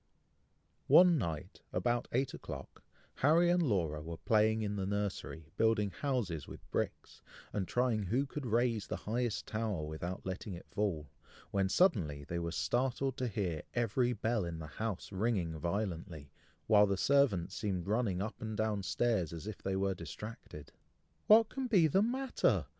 One night, about eight o'clock, Harry and Laura were playing in the nursery, building houses with bricks, and trying who could raise the highest tower without letting it fall, when suddenly they were startled to hear every bell in the house ringing violently, while the servants seemed running up and down stairs, as if they were distracted. "What can be the matter!"